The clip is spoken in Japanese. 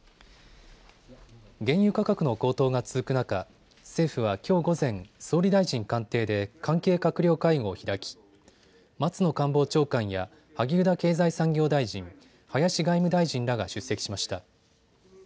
原油価格の高騰が続く中、政府はきょう午前、総理大臣官邸で関係閣僚会合を開き松野官房長官や萩生田経済産業大臣、林外務大臣らが出席しました。